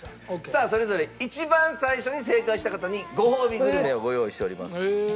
さあそれぞれ一番最初に正解した方にごほうびグルメをご用意しております。